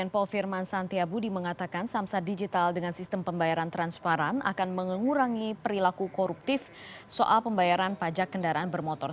kompol firman santiabudi mengatakan samsat digital dengan sistem pembayaran transparan akan mengurangi perilaku koruptif soal pembayaran pajak kendaraan bermotor